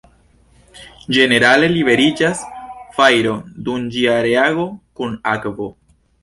Ĝenerale liberiĝas fajro dum ĝia reago kun akvo.